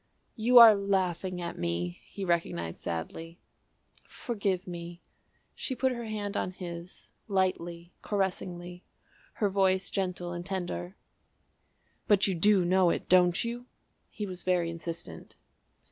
"You are laughing at me," he recognised sadly. "Forgive me." She put her hand on his, lightly, caressingly, her voice gentle and tender. "But you do know it, don't you?" He was very insistent.